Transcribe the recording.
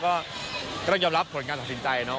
ก็ต้องยอมรับผลการตัดสินใจเนาะ